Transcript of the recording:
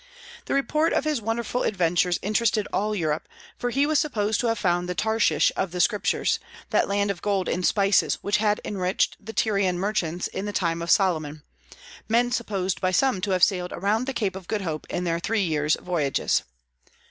The report of his wonderful adventures interested all Europe, for he was supposed to have found the Tarshish of the Scriptures, that land of gold and spices which had enriched the Tyrian merchants in the time of Solomon, men supposed by some to have sailed around the Cape of Good Hope in their three years' voyages.